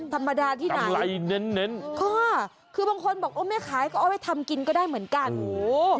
ธรรมดาที่ไหนค่ะคือบางคนบอกไม่ขายก็เอาไปทำกินก็ได้เหมือนกันโห